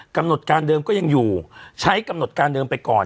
กำหนดการเดิมก็ยังอยู่ใช้กำหนดการเดิมไปก่อน